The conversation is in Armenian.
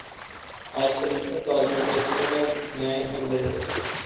Այցելություն կազմակերպվում է միայն խմբերով։